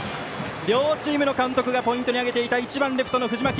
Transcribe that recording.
両チームの監督がポイントに挙げていた１番レフトの藤巻。